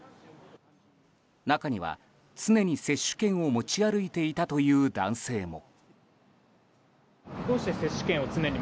中には、常に接種券を持ち歩いていたという男性も。